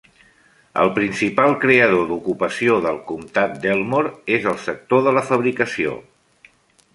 El principal creador d'ocupació del comtat d'Elmore és el sector de la fabricació.